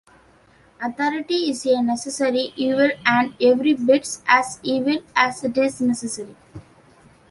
Authority is a necessary evil, and every bit as evil as it is necessary.